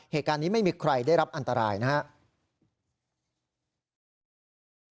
เหตุการณ์นี้ไม่มีใครได้รับอันตรายนะครับ